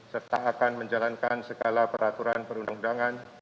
meskah akan menjalankan segalaperaturan perundang undangan